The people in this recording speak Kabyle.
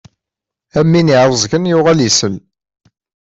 Am win iɛuẓẓgen yuɣal isell.